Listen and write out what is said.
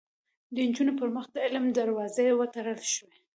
د نجونو پر مخ د علم دروازې وتړل شوې